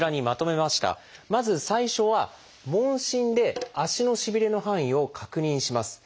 まず最初は「問診」で足のしびれの範囲を確認します。